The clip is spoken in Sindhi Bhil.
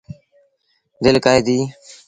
دل ڪهي دي۔